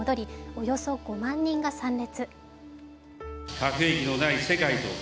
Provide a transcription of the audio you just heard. およそ５万人が参列。